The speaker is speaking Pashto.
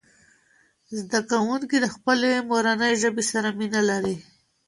زده کوونکي د خپلې مورنۍ ژبې سره مینه لري.